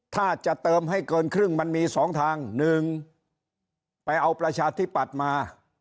ถ้าจะเติมให้เกินครึ่งมันมี๒ทาง๑ไปเอาประชาธิปัตย์มา